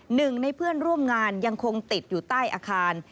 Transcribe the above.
หนึ่งในเพื่อนร่วมงานยังคงติดอยู่ใต้อาคาร